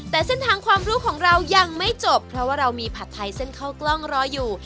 แต่เส้นทางความรู้ของเรายังไม่จบเพราะว่าเรามีผัดไทยเส้นเข้ากล้องรออยู่